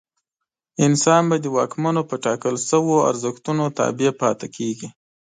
انسان به د واکمنو په ټاکل شویو ارزښتونو تابع پاتې کېږي.